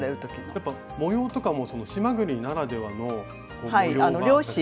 やっぱ模様とかも島国ならではの模様が。